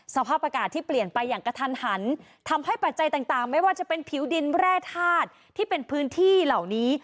สภาพอากาศที่เปลี่ยนไปอย่างกระทันหันทำให้ปัจจัยต่างไม่ว่าจะเป็นผิวดินแร่ธาตุที่เป็นพื้นที่เหล่านี้